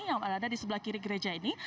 yang ada di sebelah kiri gereja ini